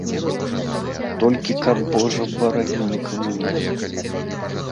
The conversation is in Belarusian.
Толькі каб, божа барані, не камуніст!